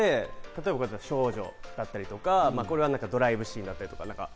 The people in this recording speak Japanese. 例えば少女だったりとか、これはドライブシーンだったり。